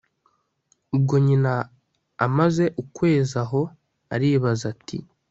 ubwo nyina amaze ukwezi aho, aribaza ati